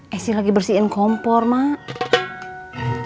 esy lagi bersihin kompor mak